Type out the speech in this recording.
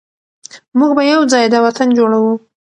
موږ به یو ځای دا وطن جوړوو.